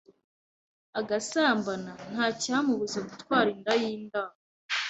agasambana nta cyamubuza gutwara inda y’indaro